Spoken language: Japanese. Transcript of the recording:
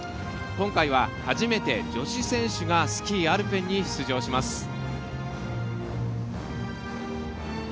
今回は初めて女子選手がスキー・アルペンに出場します。